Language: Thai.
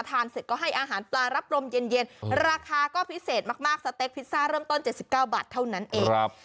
เสร็จก็ให้อาหารปลารับรมเย็นราคาก็พิเศษมากสเต็กพิซซ่าเริ่มต้น๗๙บาทเท่านั้นเอง